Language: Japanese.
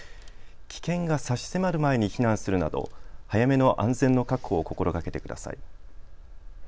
危険が差し迫る前に避難するなど早めの安全の確保を心がけてください。